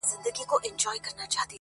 وتاته زه په خپله لپه كي.